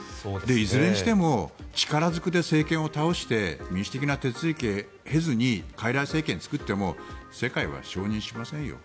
いずれにしても力ずくで政権を倒して民主的な手続きを経ずにかいらい政権を作っても世界は承認しませんよ。